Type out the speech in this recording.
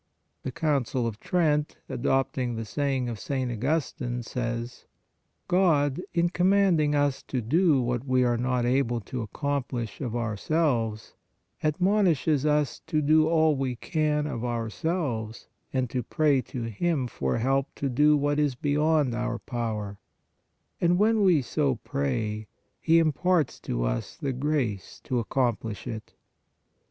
The Council of Trent, adopting the saying of St. Augustine, says: " God in commanding us to do what we are not able to accomplish of ourselves, admonishes us to do all we can of ourselves and to pray to Him for help to do what is beyond our power, and when we so pray, He imparts to us the grace to accomplish it."